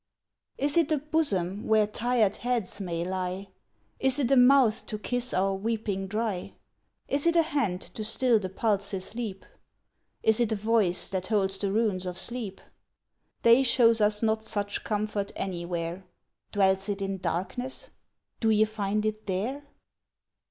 Is it a Bosom where tired heads may lie? Is it a Mouth to kiss our weeping dry? Is it a Hand to still the pulse's leap? Is it a Voice that holds the runes of sleep? Day shows us not such comfort anywhere Dwells it in Darkness? Do ye find it there?